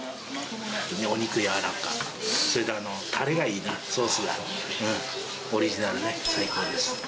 お肉柔らか、それからたれがいいな、ソースが、オリジナルね、最高です。